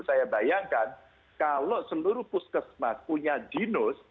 saya bayangkan kalau seluruh puskesmas punya ginus